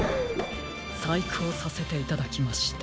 さいくをさせていただきました。